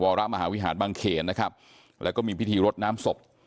วรมหาวิหารบางเขนนะครับแล้วก็มีพิธีรดน้ำศพ